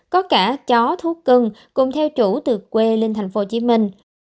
có cả chó thuốc cưng cùng theo chủ từ quê lên thành phố hồ chí minh